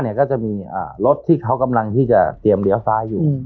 ก็จะมีรถที่เขากำลังที่จะเตรียมเลี้ยวซ้ายอยู่